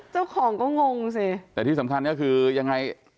เจ้าของก็งงสิแต่ที่สำคัญก็คือยังไง